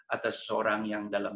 atau seorang yang dalam